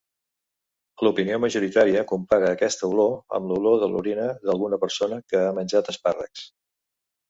L'opinió majoritària compara aquesta olor amb l'olor de l'orina d'alguna persona que ha menjat espàrrecs.